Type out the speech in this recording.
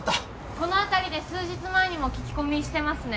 この辺りで数日前にも聞き込みしてますね